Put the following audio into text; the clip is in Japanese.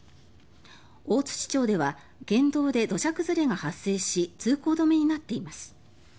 大槌町では県道で土砂崩れが発生し通行止めになっています。